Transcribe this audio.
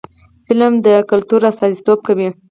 فلم د کلتور استازیتوب کوي